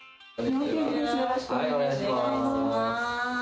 よろしくお願いします。